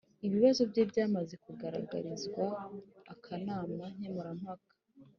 Ibibazo bye byamaze kugaragarizwa akanama nkemurampaka